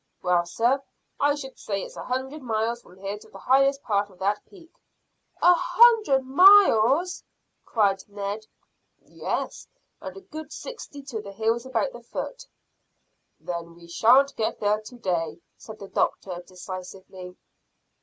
"Well, sir, I should say it's a hundred miles from here to the highest part of that peak." "A hundred miles!" cried Ned. "Yes, and a good sixty to the hills about the foot." "Then we shan't get there to day," said the doctor decisively.